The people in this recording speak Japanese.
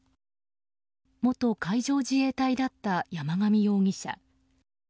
元海上自衛隊だった山上容疑者。